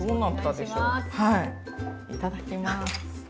いただきます。